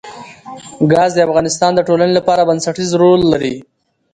ګاز د افغانستان د ټولنې لپاره بنسټيز رول لري.